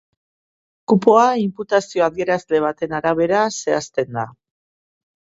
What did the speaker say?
Kupoa inputazio adierazle baten arabera zehazten da.